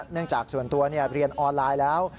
จากส่วนตัวเรียนออนไลน์แล้ว